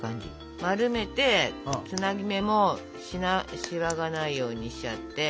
丸めてつなぎ目もシワがないようにしちゃって。